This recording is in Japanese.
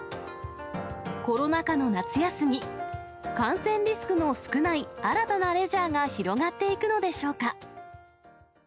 コロナ禍の夏休み、感染リスクの少ない、新たなレジャーが広がっていくのでしょうか。